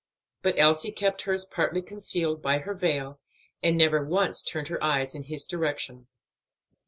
But Elsie kept hers partly concealed by her veil, and never once turned her eyes in his direction.